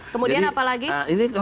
kemudian apa lagi